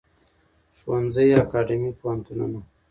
ښوونځی اکاډیمی پوهنتونونه